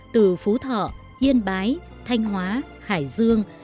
từ phú thọ yên bái thanh hóa hải dương